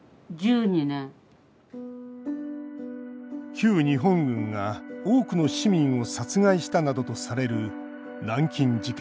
旧日本軍が多くの市民を殺害したなどとされる南京事件。